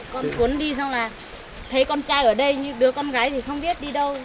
con cuốn đi xong là thấy con trai ở đây như đứa con gái thì không biết đi đâu